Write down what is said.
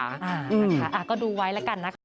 อ่านะคะก็ดูไว้แล้วกันนะคะ